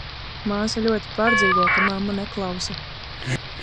Māsa ļoti pārdzīvo, ka mamma neklausa.